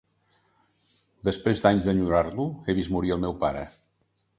Després d'anys d'enyorar-lo, he vist morir el meu pare.